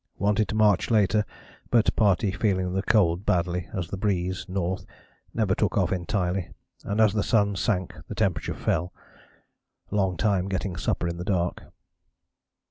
Wanted to march later, but party feeling the cold badly as the breeze (N.) never took off entirely, and as the sun sank the temp. fell. Long time getting supper in dark.